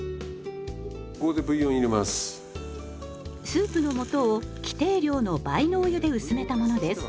スープの素を規定量の倍のお湯で薄めたものです。